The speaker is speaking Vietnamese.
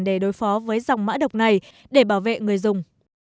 để đối phó với dòng mã độc này để bảo vệ người dùng